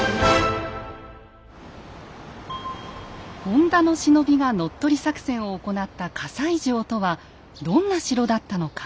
本田の忍びが乗っ取り作戦を行った西城とはどんな城だったのか。